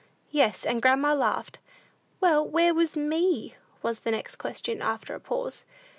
"Yes; and grandma laughed." "Well, where was me?" was the next question, after a pause.